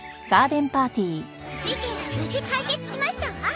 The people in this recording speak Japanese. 事件は無事解決しましたわ。